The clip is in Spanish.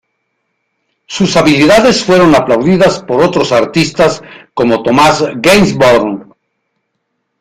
Sus habilidades fueron aplaudidas por otros artistas como Thomas Gainsborough.